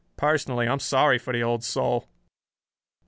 "Personally, I'm sorry for the old soul."